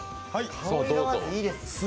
香りがまずいいです。